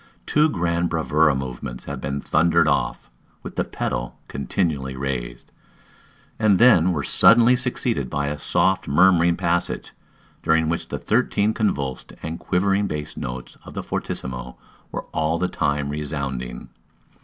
Two grand bravoura movements have been thundered off, with the pedal continually raised; and then were suddenly succeeded by a soft murmuring passage, during which the thirteen convulsed and quivering bass notes of the fortissimo were all the time resounding.